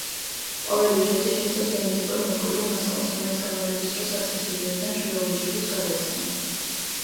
ყოველი უჯრედი შეიცავს გენეტიკურ , მემკვიდრულ მასალას, რომელიც გამრავლების დროს საწყისი უჯრედიდან შვილეულ უჯრედებს გადაეცემა.